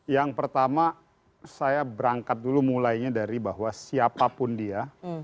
yang pertama saya berangkat dulu mulainya dari bahwa siapapun dia